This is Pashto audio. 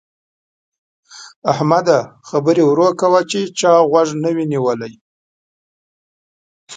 احمده! خبرې ورو کوه چې چا غوږ نه وي نيولی.